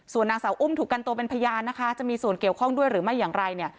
ส่วนนางสาวอุ้มถูกกันตัวเป็นพยานนะคะจะมีส่วนเกี่ยวข้องด้วยหรือไม่อย่างไรเนี่ย